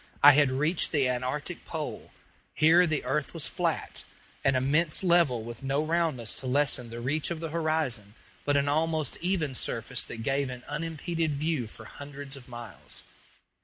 I had reached the antarctic pole. Here the earth was flat an immense level with no roundness to lessen the reach of the horizon but an almost even surface that gave an unimpeded view for hundreds of miles.